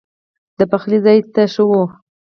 د پخلي ځای ته شوه.